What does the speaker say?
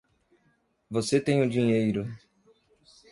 Você tem o dinheiro.